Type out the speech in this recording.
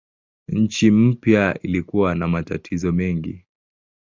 Nchi mpya ilikuwa na matatizo mengi.